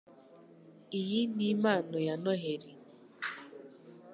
Iyi ni impano ya Noheri.